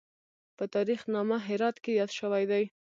په تاریخ نامه هرات کې یاد شوی دی.